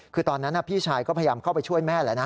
คือตอนนั้นพี่ชายก็พยายามเข้าไปช่วยแม่แล้วนะ